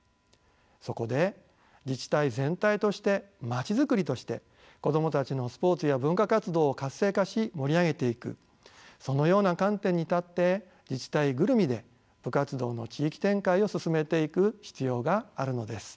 そこで自治体全体としてまちづくりとして子供たちのスポーツや文化活動を活性化し盛り上げていくそのような観点に立って自治体ぐるみで部活動の地域展開を進めていく必要があるのです。